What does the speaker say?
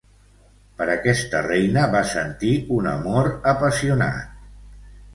Per aquesta reina va sentir un amor apassionat.